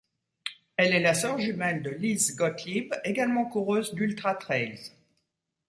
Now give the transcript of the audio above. Elle est la sœur jumelle de Liz Gottlieb, également coureuse d'ultra-trails.